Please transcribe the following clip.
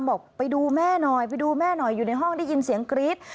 บอกไปดูแม่หน่อยอยู่ในห้องได้ยินเสียงกรี๊ด